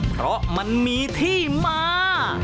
เพราะมันมีที่มา